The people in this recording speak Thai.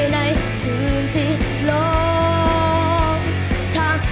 ในคืนที่ร้องทาง